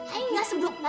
ay gak sebut nama